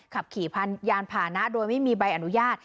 ขับขี่ยานผ่านนะโดยไม่มีใบอนุญาต